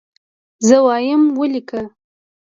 زه وایم ولیکه.